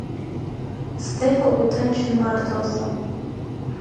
Стефа лгәы ҭынчын Марҭа лзы.